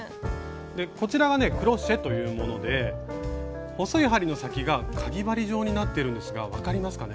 こちらがねクロシェというもので細い針の先がかぎ針状になっているんですが分かりますかね？